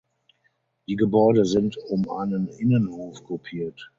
Die Gebäude sind um einen Innenhof gruppiert.